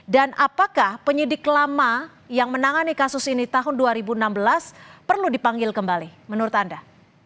dan apakah penyidik lama yang menangani kasus ini tahun dua ribu enam belas perlu dipanggil kembali menurut anda